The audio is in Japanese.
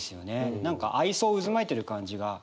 何か愛憎渦巻いてる感じが。